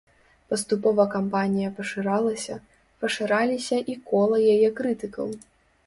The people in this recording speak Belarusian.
Паступова кампанія пашыралася, пашыраліся і кола яе крытыкаў.